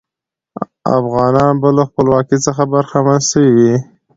افغانان به له خپلواکۍ څخه برخمن سوي وي.